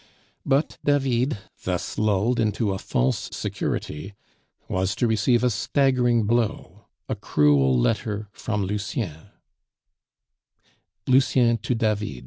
But David, thus lulled into a false security, was to receive a staggering blow, a cruel letter from Lucien: _Lucien to David.